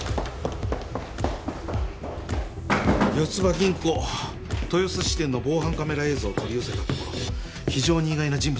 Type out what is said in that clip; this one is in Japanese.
よつば銀行豊洲支店の防犯カメラ映像を取り寄せたところ非常に意外な人物が。